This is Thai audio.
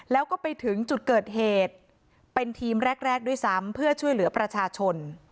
แล้วก็ไปถึงจุดเกิดเหตุเป็นทีมแรกด้วยซ้ำเพื่อช่วยเหลือประชาชน